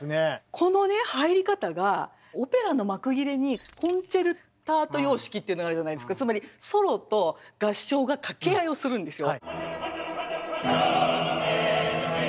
このね入り方がオペラの幕切れにコンチェルタート様式っていうのがあるじゃないですかつまりソロと合唱が掛け合いをするんですよ。